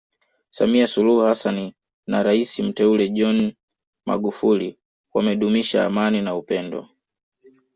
Samia Suluhu Hassan na rais Mteule John Magufuli wamedumisha amani na upendo